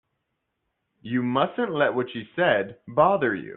You mustn't let what she said bother you.